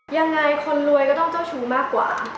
ยังไงคนรวยก็ต้องเจ้าชู้มากกว่า